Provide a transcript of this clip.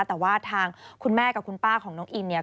แต่ว่าทางคุณแม่กับคุณป้าของน้องอินเนี่ย